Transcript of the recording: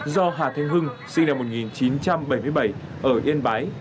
do hà thanh hưng sinh năm một nghìn chín trăm bảy mươi bảy ở yên bái